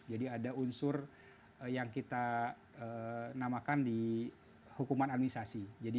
jadi ada unsur yang kita namakan di hukuman administrasi